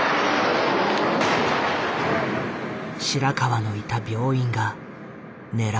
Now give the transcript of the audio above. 白川のいた病院が狙われた。